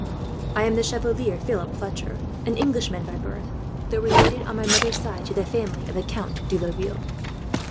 "I am the Chevalier Philip Fletcher, an Englishman by birth, though related on my mother's side to the family of the Count de Laville."